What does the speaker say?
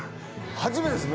初めてですか？